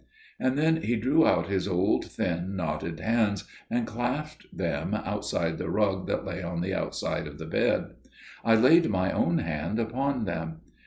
And then he drew out his old, thin, knotted hands, and clasped them outside the rug that lay on the outside of the bed. I laid my own hand upon them.